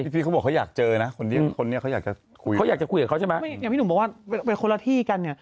พี่ท้องเจ้าบอกว่าเขาอยากเจอนะคนนี้เขาอยากจะคุยกับเขาใช่ไหมอย่างพี่หนุ่มบอกว่าเป็นคนละที่กันเนี่ย